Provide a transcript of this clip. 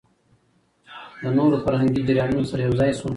له نورو فرهنګي جريانونو سره يوځاى شو